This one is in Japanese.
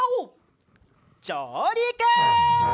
じょうりく！